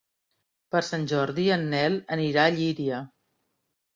Per Sant Jordi en Nel anirà a Llíria.